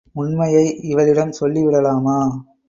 உண்மையை இவளிடம் சொல்லி விடலாமா?